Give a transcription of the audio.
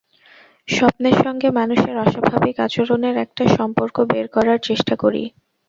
স্বপ্নের সঙ্গে মানুষের অস্বাভাবিক আচরণের একটা সম্পর্ক বের করার চেষ্টা করি।